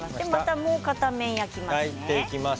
もう片面、焼きますね。